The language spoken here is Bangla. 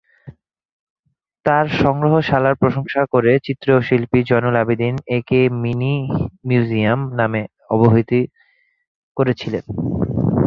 তার সংগ্রহশালার প্রশংসা করে চিত্রশিল্পী জয়নুল আবেদিন একে ‘মিনি মিউজিয়াম’ নামে অবহিত করেছিলেন।